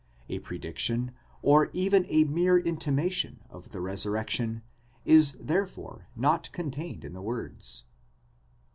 4? A prediction, or even a mere intimation of the resurrection, is therefore not contained in these words.